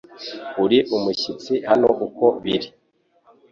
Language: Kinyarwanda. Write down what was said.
Uri umushyitsi hano uko biri